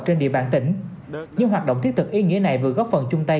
trên địa bàn tỉnh những hoạt động thiết thực ý nghĩa này vừa góp phần chung tay